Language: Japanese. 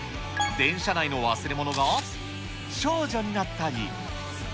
電車内の忘れ物が少女になったり。